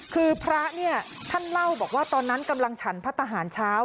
คือพระเนี่ยท่านเล่าบอกว่าตอนนั้นกำลังฉันพระทหารเช้า